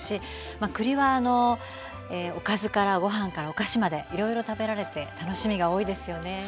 栗はおかずからご飯からお菓子までいろいろ食べられて楽しみが多いですよね。